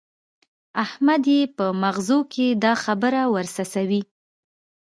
احمد يې په مغزو کې دا خبره ور څڅوي.